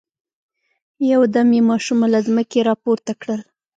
يودم يې ماشومه له ځمکې را پورته کړل.